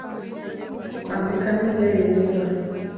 Kwandika nibyo binyura